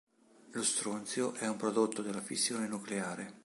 Lo Sr è un prodotto della fissione nucleare.